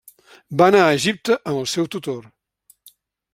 Va anar a Egipte amb el seu tutor.